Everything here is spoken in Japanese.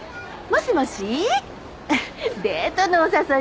もしもし？